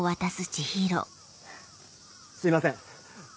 すいません。